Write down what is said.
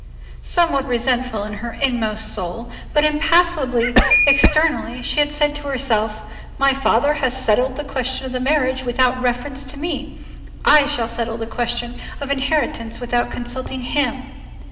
Somewhat resentful in her inmost soul, but impassible externally, she had said to herself: "My father has settled the question of the marriage without reference to me; I shall settle the question of the inheritance without consulting him."